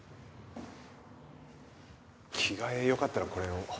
着替えよかったらこれを。